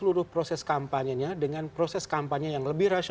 mengubah seluruh proses kampanye nya dengan proses kampanye yang lebih bergantung